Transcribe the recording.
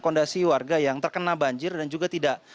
kondisi warga yang terkena banjir dan juga tidak